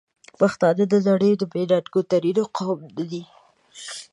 پښتانه د نړۍ بې ننګ ترین قوم ندی؟!